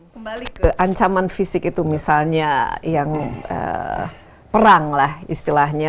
kembali ke ancaman fisik itu misalnya yang perang lah istilahnya